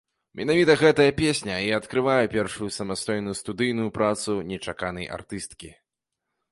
Менавіта гэтая песня і адкрывае першую самастойную студыйную працу нечаканай артысткі.